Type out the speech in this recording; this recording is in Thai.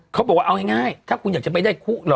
เขาบอกว่าเอาง่ายถ้าคุณอยากจะไม่ได้คุกเหรอ